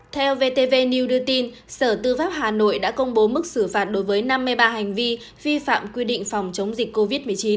theo vtv new đưa tin sở tư pháp hà nội đã công bố mức xử phạt đối với năm mươi ba hành vi vi phạm quy định phòng chống dịch covid một mươi chín